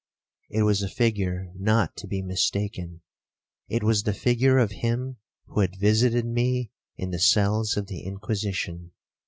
It was a figure not to be mistaken—it was the figure of him who had visited me in the cells of the Inquisition.